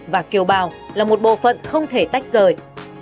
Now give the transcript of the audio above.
và kiều bào là một bộ phận không thể tách rời